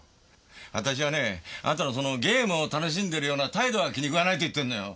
私はねぇあなたのそのゲームを楽しんでるような態度が気に食わないと言ってんのよ！